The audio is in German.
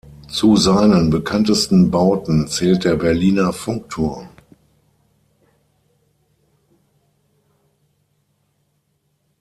Zu seinen bekanntesten Bauten zählt der Berliner Funkturm.